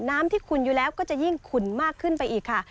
น้ำที่ขุนอยู่แล้วก็จะยิ่งขุนมากขึ้นไปอีกค่ะ